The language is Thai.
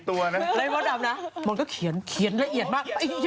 มันก็เขียนเขียนละเอียดมาก